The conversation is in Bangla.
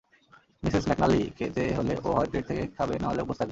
মিসেস ম্যাকনালি, খেতে হলে ও হয় প্লেট থেকে খাবে নাহলে উপোষ থাকবে।